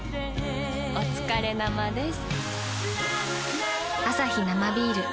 おつかれ生です。